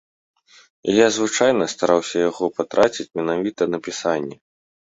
І я звычайна стараўся яго патраціць менавіта на пісанне.